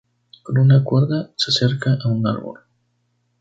Con una cuerda, se acerca a un árbol.